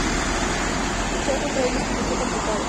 Luchar contra ella es un poco complicado.